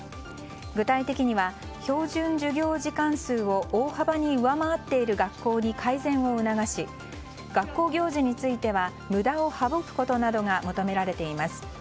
具体的には標準授業時間数を大幅に上回っている学校に改善を促し学校行事については無駄を省くことなどが求められています。